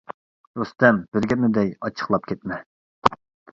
-رۇستەم، بىر گەپنى دەي، ئاچچىقلاپ كەتمە.